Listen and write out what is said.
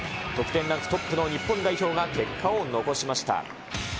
得点ランクトップの日本代表が結果を残しました。